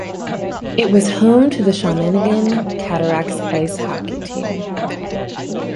It was home to the Shawinigan Cataractes Ice hockey team.